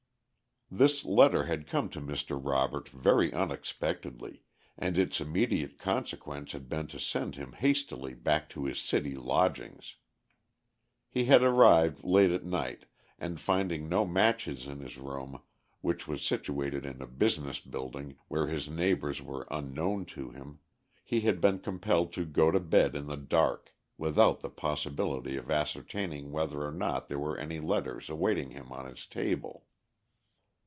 _ This letter had come to Mr. Robert very unexpectedly, and its immediate consequence had been to send him hastily back to his city lodgings. He had arrived late at night, and finding no matches in his room, which was situated in a business building where his neighbors were unknown to him, he had been compelled to go to bed in the dark, without the possibility of ascertaining whether or not there were any letters awaiting him on his table.